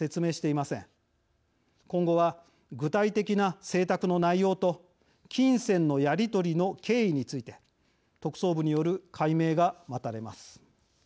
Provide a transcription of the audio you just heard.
今後は具体的な請託の内容と金銭のやり取りの経緯について特捜部による解明が待たれます。